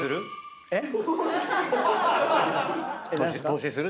えっ？